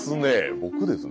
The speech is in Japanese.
僕ですね。